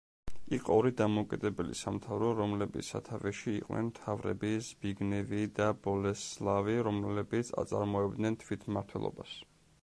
იყო ორი დამოუკიდებელი სამთავრო რომლების სათავეში იყვნენ მთავრები ზბიგნევი და ბოლესლავი რომლებიც აწარმოებდნენ თვითმმართველობას.